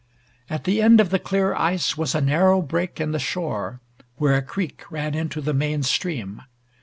At the end of the clear ice was a narrow break in the shore, where a creek ran into the main stream.